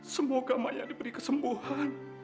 semoga maya diberi kesembuhan